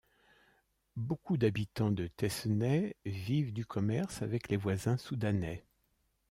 Beaucoup d'habitants de Tesseney vivent du commerce avec les voisins soudanais.